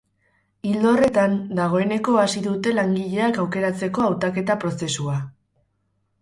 Ildo horretan, dagoeneko hasi dute langileak aukeratzeko hautaketa prozesua.